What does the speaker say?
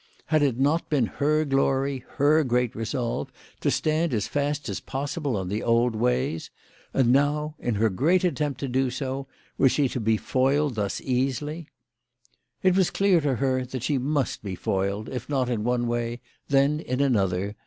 Had it not been her glory, her great resolve, to stand as fast as possible on the old ways ? And now in her great attempt to do so, was she to be foiled thus easily ? It was clear to her that she must be foiled, if not in one way, then in another.